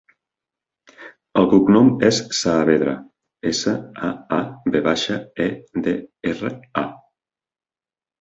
El cognom és Saavedra: essa, a, a, ve baixa, e, de, erra, a.